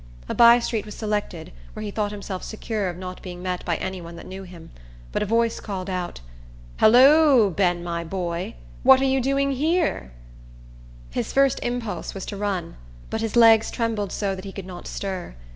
A by street was selected, where he thought himself secure of not being met by any one that knew him; but a voice called out, "Halloo, Ben, my boy! what are you doing here!" His first impulse was to run; but his legs trembled so that he could not stir.